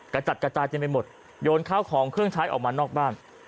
กระจัดกระจายเต็มไปหมดโยนข้าวของเครื่องใช้ออกมานอกบ้าน